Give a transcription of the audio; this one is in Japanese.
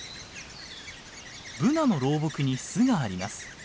ブナの老木に巣があります。